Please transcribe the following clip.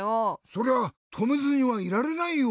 そりゃとめずにはいられないよ。